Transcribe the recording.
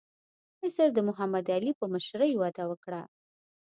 مصر د محمد علي په مشرۍ وده وکړه.